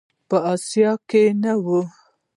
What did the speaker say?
په آسیا کې نه و.